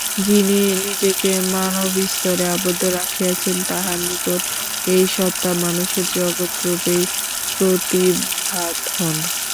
যিনি নিজেকে মানব-স্তরে আবদ্ধ রাখিয়াছেন, তাঁহার নিকট এই সত্তা মানুষের জগৎরূপেই প্রতিভাত হন।